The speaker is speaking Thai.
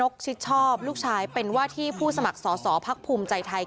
ก็คือวาฒิผู้สมัครสอสอภักดิ์ภูมิใจไทย